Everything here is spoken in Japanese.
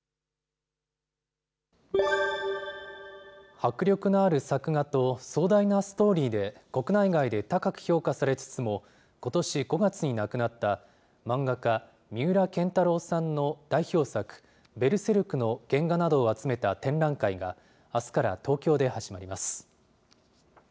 迫力のある作画と壮大なストーリーで、国内外で高く評価されつつも、ことし５月に亡くなった漫画家、三浦健太郎さんの代表作、ベルセルクの原画などを集めた展覧会があすから東京で始まります。